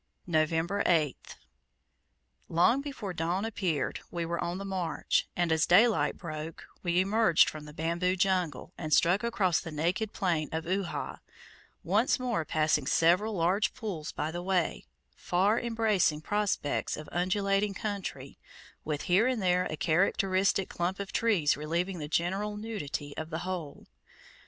November 8th. Long before dawn appeared, we were on the march, and, as daylight broke, we emerged from the bamboo jungle, and struck across the naked plain of Uhha, once more passing several large pools by the way far embracing prospects of undulating country, with here and there a characteristic clump of trees relieving the general nudity of the whole.